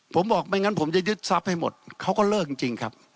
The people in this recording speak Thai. ผมบอกไม่งั้นผมจะยึดทรัพย์ให้หมดเขาก็เลิกจริงครับ